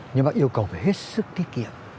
nhưng bác yêu cầu phải hết sức tiết kiệm